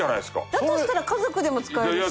だとしたら家族でも使えるし。